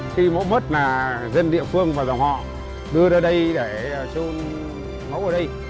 khi mẫu mất là dân địa phương và dòng họ đưa ra đây để trôn mẫu ở đây